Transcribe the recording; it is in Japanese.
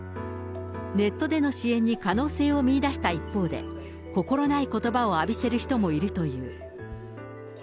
ネットでの支援に可能性を見いだした一方で、心ないことばを浴びせる人もいるという。